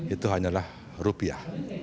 itu hanyalah rupiah